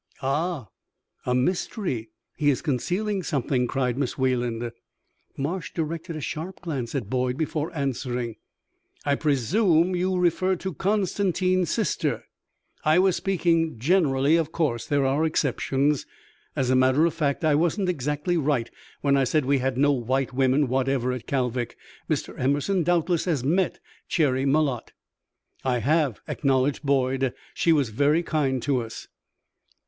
"Ah, a mystery! He is concealing something!" cried Miss Wayland. Marsh directed a sharp glance at Boyd before answering. "I presume you refer to Constantine's sister; I was speaking generally of course, there are exceptions. As a matter of fact, I wasn't exactly right when I said we had no white women whatever at Kalvik. Mr. Emerson doubtless has met Cherry Malotte?" "I have," acknowledged Boyd. "She was very kind to us."